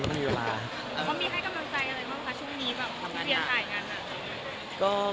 จะทำการทายราการเหรอน่ะ